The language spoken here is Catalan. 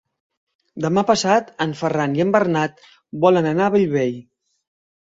Demà passat en Ferran i en Bernat volen anar a Bellvei.